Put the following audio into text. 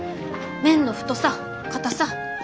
麺の太さかたさ。